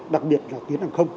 đặc biệt là tuyến hàng không